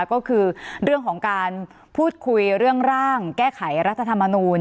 ก็คือเรื่องของการพูดคุยเรื่องร่างแก้ไขรัฐธรรมนูล